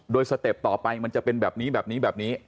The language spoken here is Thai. โดยสเต็ปต่อไปมันจะเป็นแบบนี้แบบนี้แบบนี้